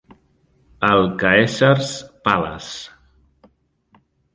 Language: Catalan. Al Caesar's Palace".